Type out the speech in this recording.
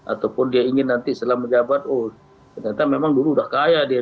ataupun dia ingin nanti setelah menjabat oh ternyata memang dulu udah kaya dia